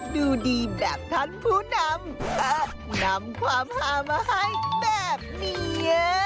ดูดีแบบท่านผู้นำนำความหามาให้แบบนี้